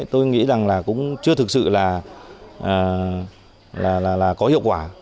tôi nghĩ rằng là cũng chưa thực sự là có hiệu quả